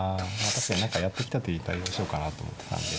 確かに何かやってきた手に対応しようかなと思ってたんで。